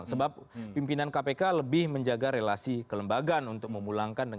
sebab pimpinan kpk lebih menjaga relasi kelembagaan